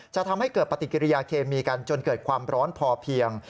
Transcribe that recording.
ทำให้เกิดปฏิกิริยาเคมีกันจนเกิดความร้อนพอเพียง